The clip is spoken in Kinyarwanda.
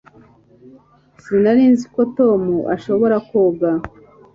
Sinari nzi ko Tom ashobora koga